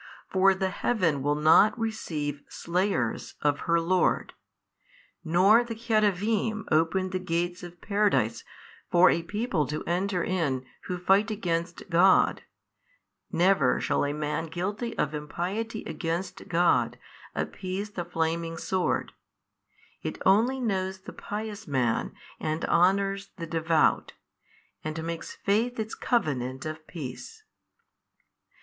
For the Heaven will not receive slayers of her Lord, nor the Cherubim open the gates of Paradise for a people to enter in who fight against God, never shall a man guilty of impiety against God appease the flaming sword, it only knows the pious man and honours the devout, and makes faith its covenant of peace.